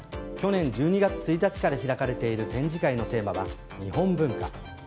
去年１２月１日から開かれている展示会のテーマは「日本文化」。